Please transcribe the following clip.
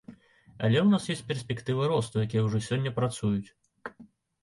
Але ў нас ёсць перспектывы росту, якія ўжо сёння працуюць.